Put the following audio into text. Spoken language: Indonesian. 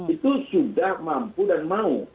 itu sudah mampu dan mau